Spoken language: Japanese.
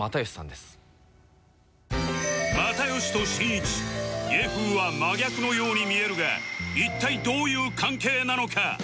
又吉としんいち芸風は真逆のように見えるが一体どういう関係なのか？